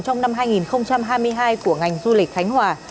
trong năm hai nghìn hai mươi hai của ngành du lịch khánh hòa